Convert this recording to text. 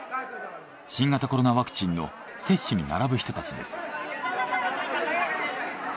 新型コロナワクチンの接種に並ぶ人たちです。